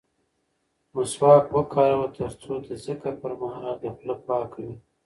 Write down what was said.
مسواک وکاروه ترڅو د ذکر پر مهال دې خوله پاکه وي.